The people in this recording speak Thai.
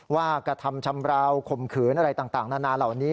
กระทำชำราวข่มขืนอะไรต่างนานาเหล่านี้